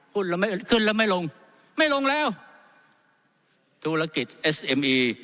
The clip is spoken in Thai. เราไม่ขึ้นแล้วไม่ลงไม่ลงแล้วธุรกิจเอสเอ็มอี